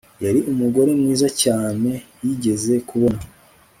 Yari umugore mwiza cyane yigeze kubona